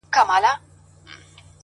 هر څه چي راپېښ سوله.!